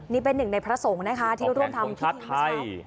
นี่เป็นหนึ่งในพระทรงนะคะที่ร่วมทำที่ทีมช้อมปลอกแขนคนชาติให้